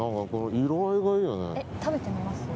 色合いがいいよね。